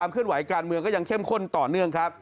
เคลื่อนไหวการเมืองก็ยังเข้มข้นต่อเนื่องครับ